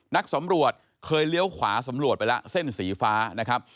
นักสำรวจเคยเลี้ยวขวาสำรวจไปแล้วเส้นสีฟ้านะครับ